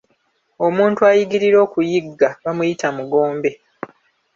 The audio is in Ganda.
Omuntu ayigirira okuyigga ayitibwa Mugombe.